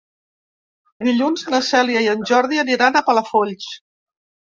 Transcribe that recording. Dilluns na Cèlia i en Jordi aniran a Palafolls.